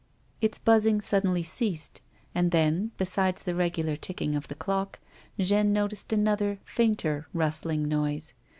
Its buzzing suddenly ceased, and then, besides the regu lar ticking of the clock, Jeanne noticed another fainter, rustling noise.